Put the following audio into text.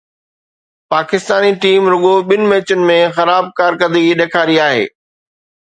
Pakistani team رڳو ٻن ميچن ۾ خراب ڪارڪردگي ڏيکاري آهي.